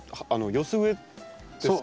寄せ植えですかね。